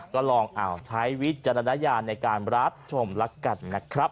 ก็ลองใช้วิจารณญาณในการรับชมแล้วกันนะครับ